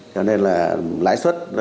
cho nên là lãi suất